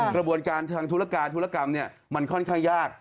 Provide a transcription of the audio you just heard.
กระบวนการทางธุรการธุรกรรมมันค่อนข้างยาก